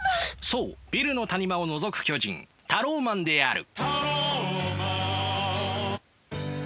そうビルの谷間をのぞく巨人タローマンである。